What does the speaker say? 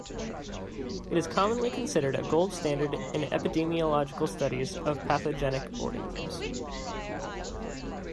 It is commonly considered a gold standard in epidemiological studies of pathogenic organisms.